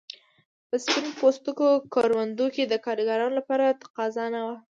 په سپین پوستو کروندو کې د کارګرانو لپاره تقاضا نه وه.